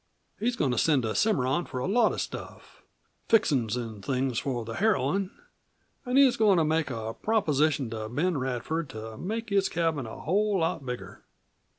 He's goin' to send to Cimarron for a lot of stuff fixin's an' things for the heroine, an' he's goin' to make a proposition to Ben Radford to make his cabin a whole lot bigger.